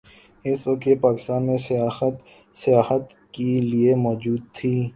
اس وقت یہ پاکستان میں سیاحت کے لیئے موجود تھیں۔